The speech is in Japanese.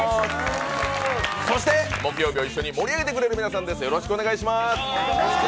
そして、木曜日を一緒に盛り上げてくれる皆さんです。